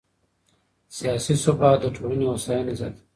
سیاسي ثبات د ټولنې هوساینه زیاتوي